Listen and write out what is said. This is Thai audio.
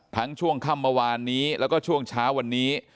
ช่วงค่ำเมื่อวานนี้แล้วก็ช่วงเช้าวันนี้